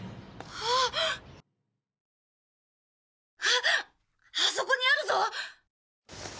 あっあそこにあるぞ！